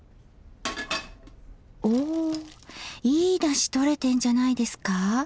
おいいだしとれてんじゃないですか。